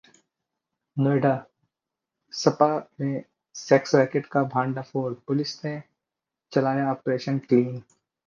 Noida: spa में sex racket का भंडाफोड़, पुलिस ने चलाया 'ऑपरेशन क्लीन'